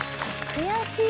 「悔しい」。